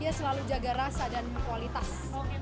dia selalu jaga rasa dan kualitas